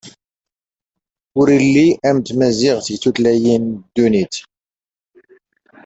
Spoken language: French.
Ses habitants sont appelés les Escalins.